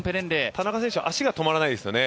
田中選手は足が止まらないですよね。